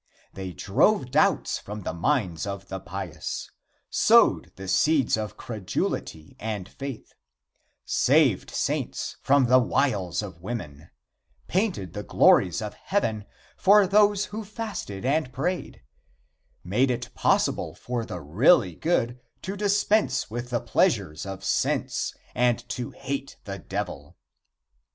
They drove doubts from the minds of the pious, sowed the seeds of credulity and faith, saved saints from the wiles of women, painted the glories of heaven for those who fasted and prayed, made it possible for the really good to dispense with the pleasures of sense and to hate the Devil.